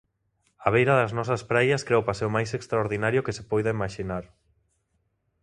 Á beira das nosas praias crea o paseo máis extraordinario que se poida imaxinar.